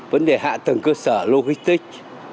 vấn đề hạ tầng cơ sở logistic